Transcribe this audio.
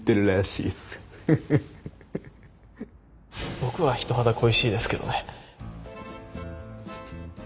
僕は人肌恋しいですけどね。